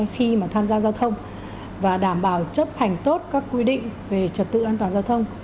khi mà tham gia giao thông và đảm bảo chấp hành tốt các quy định về trật tự an toàn giao thông